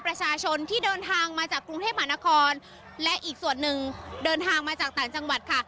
ประชาชนที่เดินทางมาจากกรุงเทพมหานครและอีกส่วนหนึ่งเดินทางมาจากต่างจังหวัดค่ะ